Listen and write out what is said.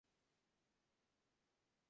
আমার চিঠি পূর্বের ভাবের মত হাটের মাঝে পড়িবে না।